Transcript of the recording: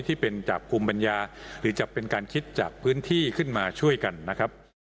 ที่เป็นจากภูมิปัญญาหรือจะเป็นการคิดจากพื้นที่ขึ้นมาช่วยกันนะครับ